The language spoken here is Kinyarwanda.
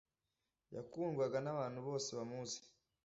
Yakundwaga nabantu bose bamuzi